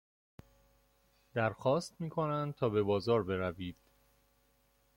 در خواست میکنند تا به بازار بروید.